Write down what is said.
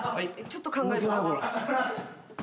ちょっと考えたら。